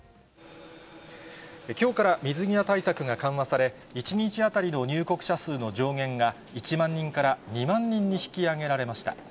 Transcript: きょうから水際対策が緩和され、１日当たりの入国者数の上限が、１万人から２万人に引き上げられました。